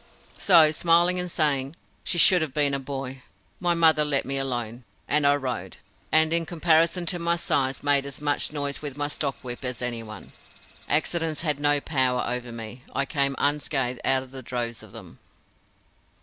So, smiling and saying, "She should have been a boy," my mother let me alone, and I rode, and in comparison to my size made as much noise with my stock whip as any one. Accidents had no power over me, I came unscathed out of droves of them.